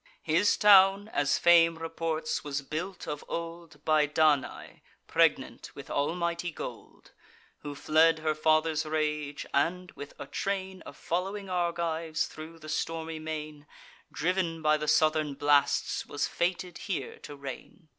His town, as fame reports, was built of old By Danae, pregnant with almighty gold, Who fled her father's rage, and, with a train Of following Argives, thro' the stormy main, Driv'n by the southern blasts, was fated here to reign.